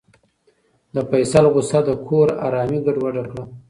د فیصل غوسه د کور ارامي ګډوډه کړه.